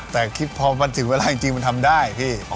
แต่พอถึงเวลาจริงมันทำได้